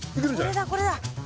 これだこれだ。